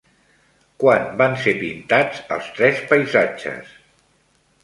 Quan van ser pintats els tres Paisatges?